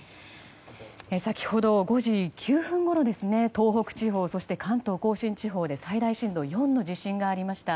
先ほど、５時９分ごろ東北地方そして関東・甲信地方で最大震度４の地震がありました。